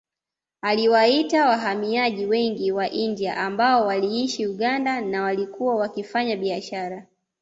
Aliwaita wahamiaji wengi wa India ambao waliishi Uganda na walikuwa wakifanya biashara